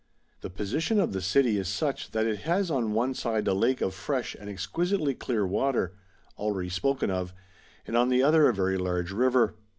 ] [The position of the city is such that it has on one side a lake of fresh and exquisitely clear water (already sj^oken of), and on the other a very large river.